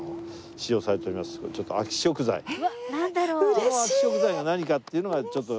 その秋食材が何かっていうのはちょっと。